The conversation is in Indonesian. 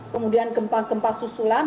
kemudian gempa gempa susulan